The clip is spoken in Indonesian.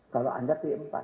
kalau anda pempat